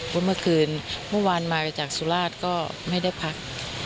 เพราะเมื่อคืนเมื่อวานมาจากสุราชก็ไม่ได้พัก